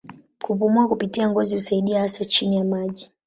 Kupumua kupitia ngozi husaidia hasa chini ya maji.